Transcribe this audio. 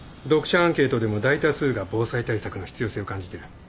読者アンケートでも大多数が防災対策の必要性を感じてる。